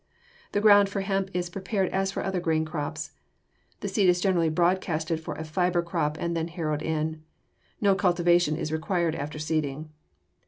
The ground for hemp is prepared as for other grain crops. The seed is generally broadcasted for a fiber crop and then harrowed in. No cultivation is required after seeding.